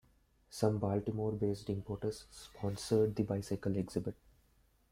Some Baltimore-based importers sponsored the bicycle exhibit.